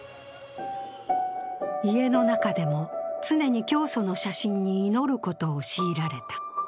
家の中でも常に教祖の写真に祈ることを強いられた。